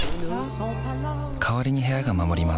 代わりに部屋が守ります